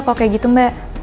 kok kayak gitu mbak